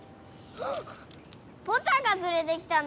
ポタがつれてきたの？